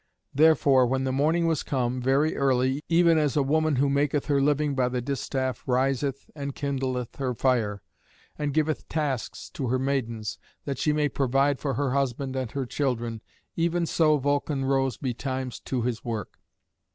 Therefore when the morning was come, very early, even as a woman who maketh her living by the distaff riseth and kindleth her fire, and giveth tasks to her maidens, that she may provide for her husband and her children, even so Vulcan rose betimes to his work.